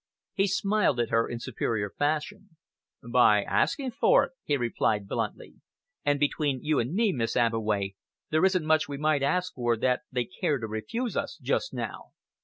He smiled at her in superior fashion. "By asking for it," he replied bluntly. "And between you and me, Miss Abbeway, there isn't much we might ask for that they'd care to refuse us just now."